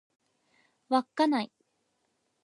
稚内